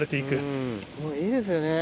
うんいいですよね。